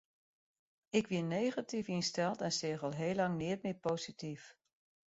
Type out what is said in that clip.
Ik wie negatyf ynsteld en seach al heel lang neat mear posityf.